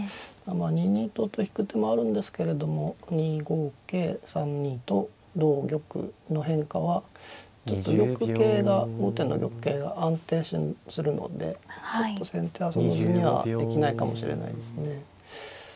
２二とと引く手もあるんですけれども２五桂３二と同玉の変化はちょっと玉形が後手の玉形が安定するのでちょっと先手はその順にはできないかもしれないですね。